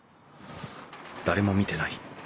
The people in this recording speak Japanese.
誰も見てない。